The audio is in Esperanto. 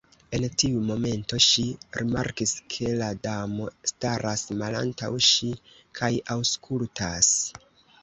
En tiu momento ŝi rimarkis ke la Damo staras malantaŭ ŝi kaj aŭskultas.